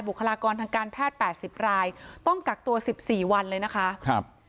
คลากรทางการแพทย์๘๐รายต้องกักตัว๑๔วันเลยนะคะครับ